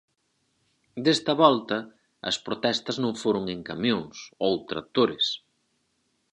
Desta volta as protestas non foron en camións ou tractores.